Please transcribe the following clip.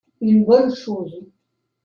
Une bonne chose.